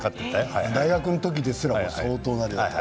大学の時ですら相当な量。